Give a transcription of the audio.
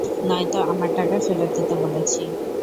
নয়তো আমার টাকা ফেরত দিতে বলেছি।